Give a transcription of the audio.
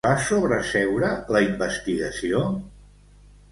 Es va sobreseure la investigació?